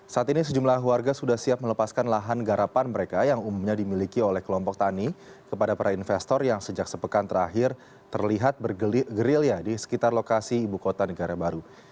saat ini sejumlah warga sudah siap melepaskan lahan garapan mereka yang umumnya dimiliki oleh kelompok tani kepada para investor yang sejak sepekan terakhir terlihat bergerilya di sekitar lokasi ibu kota negara baru